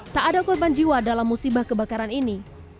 tak ada korban jiwa dalam musibah kebakaran ini